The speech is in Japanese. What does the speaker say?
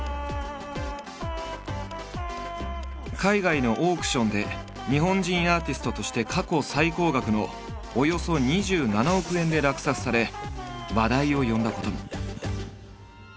海外のオークションで日本人アーティストとして過去最高額のおよそ２７億円で落札され話題を呼んだことも。